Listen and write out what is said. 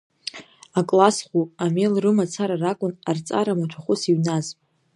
Акласс-ӷәы, амел рымацра ракәын арҵара маҭәахәыс иҩназ.